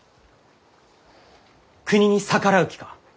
国に逆らう気か？